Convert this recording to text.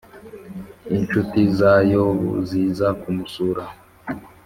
Incuti za Yobu ziza kumusura